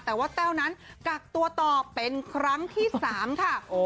แต่ว่าแต้วนั้นกักตัวต่อเป็นครั้งที่๓ค่ะ